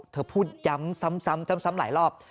พูดย้ำซ้ำหลายรอบ